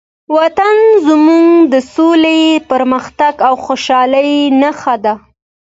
وطن زموږ د سولې، پرمختګ او خوشحالۍ نښه ده.